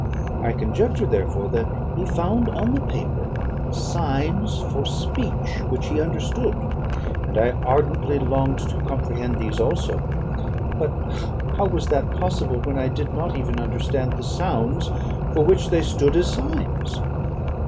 I conjectured, therefore, that he found on the paper signs for speech which he understood, and I ardently longed to comprehend these also; but how was that possible, when I did not even understand the sounds for which they stood as signs?